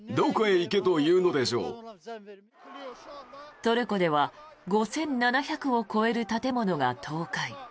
トルコでは５７００を超える建物が倒壊。